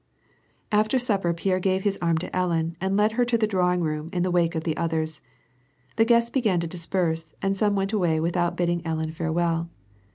♦ After supper Pierre gave his arm to Ellen, and led her to the drawing room in the wake of the others. The guests began to disj)erse, and some w'ent away without bidding Ellen farewell.